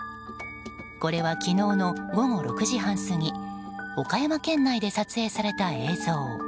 これは、昨日の午後６時半過ぎ岡山県内で撮影された映像。